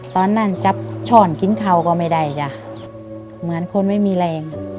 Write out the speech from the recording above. ตอนนั้นจับช่อนกินเขาก็ไม่ได้จ้ะเหมือนคนไม่มีแรง